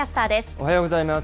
おはようございます。